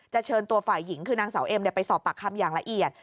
เชิญตัวฝ่ายหญิงคือนางสาวเอ็มไปสอบปากคำอย่างละเอียด